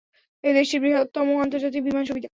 এটি দেশটির বৃহত্তম আন্তর্জাতিক বিমান সুবিধা।